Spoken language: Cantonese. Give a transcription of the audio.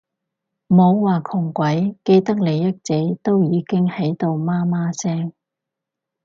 唔好話窮鬼，既得利益者都已經喺度媽媽聲